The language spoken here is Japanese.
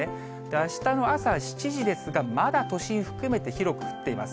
あしたの朝７時ですが、まだ都心含めて、広く降っています。